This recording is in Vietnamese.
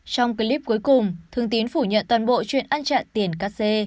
trong clip cuối cùng thương tín phủ nhận toàn bộ chuyện ăn chặn tiền các xê